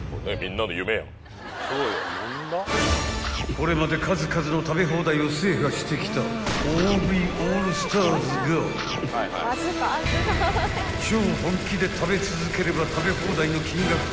［これまで数々の食べ放題を制覇してきた大食いオールスターズが超本気で食べ続ければ食べ放題の金額から］